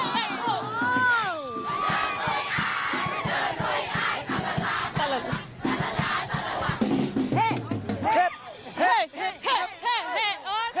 สวัสดีค่ะ